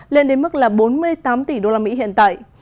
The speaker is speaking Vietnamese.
lên đến mức là bốn mươi tám tỷ usd hiện tại